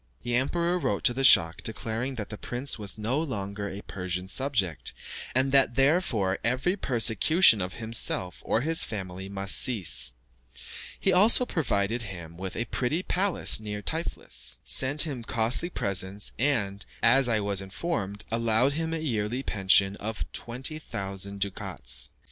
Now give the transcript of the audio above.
The emperor wrote to the schach declaring that the prince was no longer a Persian subject, and that therefore every persecution of himself or his family must cease; he also provided him with a pretty palace near Tiflis, sent him costly presents, and, as I was informed, allowed him a yearly pension of 20,000 ducats.